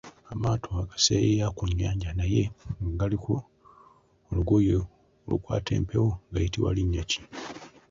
Amaato agaseeyeeya ku nnyanja naye nga galiko olugoye olukwata empewo gayitibwa linnya ki?